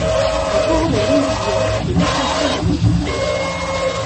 Un corollaire immédiat est l'équation de Gauss.